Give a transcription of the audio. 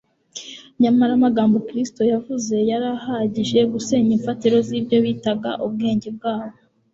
Nyamara amagambo Kristo yavuze yari ahagije gusenya imfatiro z'ibyo bitaga ubwenge bwabo.